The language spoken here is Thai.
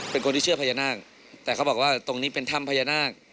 เป็นคนที่เชื่อพญานาคแต่เขาบอกว่าตรงนี้เป็นถ้ำพญานาค